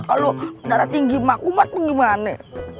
kalau darah tinggi mak umat itu gimana